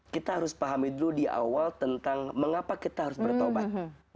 kita harus pahami dulu di awal tentang mengapa kita harus bertaubat